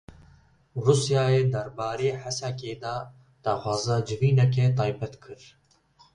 Rûsyayê derbarê Hesekê de daxwaza civîneke taybet kir.